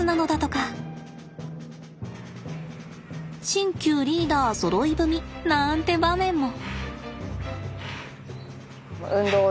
新旧リーダーそろい踏みなんて場面も。